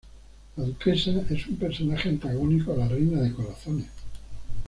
La Duquesa es un personaje antagónico a la Reina de Corazones.